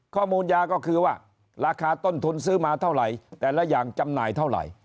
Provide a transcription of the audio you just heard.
ข้อมูลยาก็คือว่าราคาต้นทุนซื้อมาเท่าไหร่แต่ละอย่างจำหน่ายเท่าไหร่